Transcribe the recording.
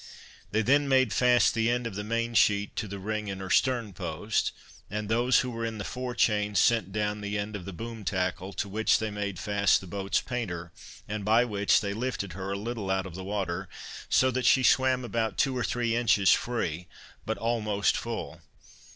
They then made fast the end of the main sheet to the ring in her stern post, and those who were in the fore chains sent down the end of the boom tackle, to which they made fast the boat's painter, and by which they lifted her a little out of the water, so that she swam about two or three inches free, but almost full.